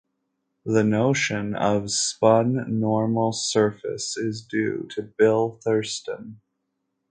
The notion of spun normal surface is due to Bill Thurston.